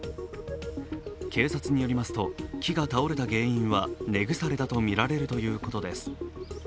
警察によりますと木が倒れた原因は根腐れだとみられるということです。